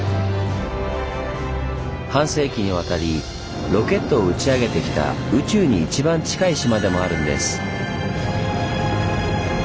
半世紀にわたりロケットを打ち上げてきた宇宙にいちばん近い島でもあるんです。